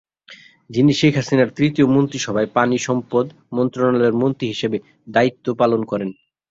যিনি শেখ হাসিনার তৃতীয় মন্ত্রীসভায় পানি সম্পদ মন্ত্রণালয়ের মন্ত্রী হিসেবে দায়িত্ব পালন করেন।